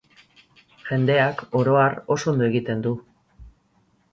Jendeak, oro har, oso ondo egiten du.